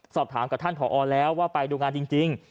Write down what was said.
สอบถามกับท่านผอแล้วว่าไปดูงานจริง